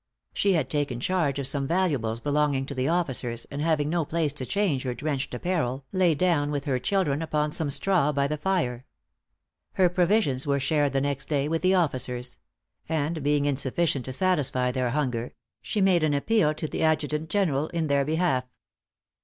She had taken charge of some valuables belonging to the officers, and having no place to change her drenched apparel, lay down with her children upon some straw by the fire. Her provisions were shared the next day with the officers; and being insufficient to satisfy their hunger, she made an appeal to the Adjutant General in their behalf.